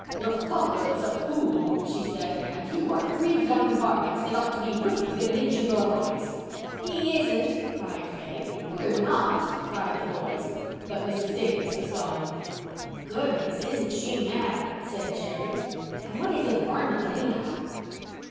"Your father is a fool," she said, "and you are three young varmints that ought to be whipped within an inch of your lives." "He isn't," cried Faith. "We're not," cried the boys. But Mrs. Davis was gone. "Goodness, isn't she mad!" said Jerry. "And what is a 'varmint' anyhow?"